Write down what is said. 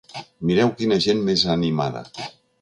Mireu quina gent més animada!